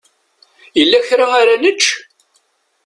Yella kra ara nečč?